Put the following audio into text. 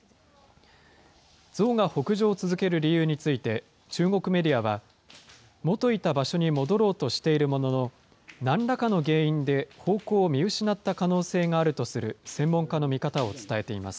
ゾウが北上を続ける理由について、中国メディアは、元いた場所に戻ろうとしているものの、なんらかの原因で方向を見失った可能性があるとする専門家の見方を伝えています。